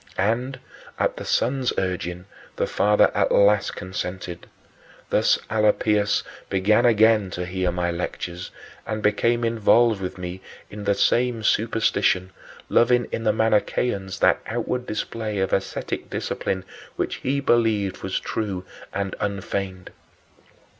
And, at the son's urging, the father at last consented. Thus Alypius began again to hear my lectures and became involved with me in the same superstition, loving in the Manicheans that outward display of ascetic discipline which he believed was true and unfeigned.